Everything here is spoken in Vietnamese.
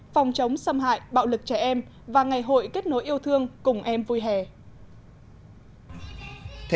phòng chống xâm hại bạo lực trẻ em và ngày hội kết nối yêu thương cùng em vui hè